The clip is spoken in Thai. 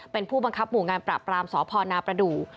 เป็นผู้บังคับหมู่งานปราบปรามสพนประดูก